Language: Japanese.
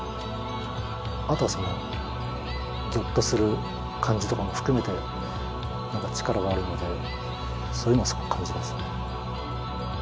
あとはギョッとする感じとかも含めて力があるのでそういうのをすごく感じますね。